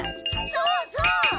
そうそう！